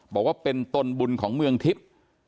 บอกว่าเป็นตนบุญของเมืองทิพย์